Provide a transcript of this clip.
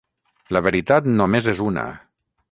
La veritat només és una.